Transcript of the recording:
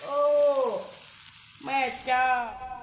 โอ้แม่จ้า